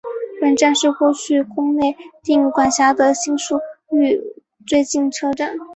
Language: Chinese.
本站是过去宫内厅管辖的新宿御苑最近车站。